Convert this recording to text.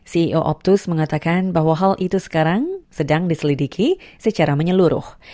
ceo optus mengatakan bahwa hal itu sekarang sedang diselidiki secara menyeluruh